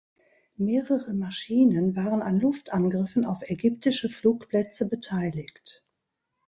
Mehrere Maschinen waren an Luftangriffen auf ägyptische Flugplätze beteiligt.